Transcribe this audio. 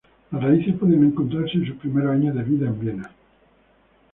Las raíces pueden encontrarse en sus primeros años de vida en Viena.